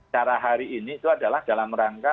cara hari ini itu adalah dalam rangka